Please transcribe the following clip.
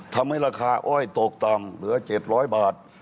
ทำให้ราคาอ้อยตกต่ำเหลือ๗๐๐บาท